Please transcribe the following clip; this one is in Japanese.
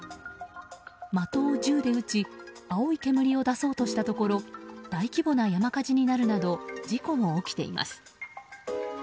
的を銃で撃ち青い煙を出そうとしたところ大規模な山火事になるなど事故が起きています。